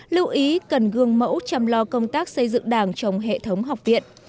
lưu ý cần gương mẫu chăm lo công tác xây dựng đảng trong hệ thống học viện